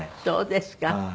そうですか。